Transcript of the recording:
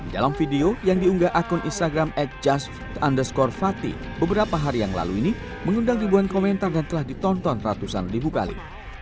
dalam video yang diunggah akun instagram at just underscore fati beberapa hari yang lalu ini mengundang ribuan komentar dan telah ditonton ratusan ribu kali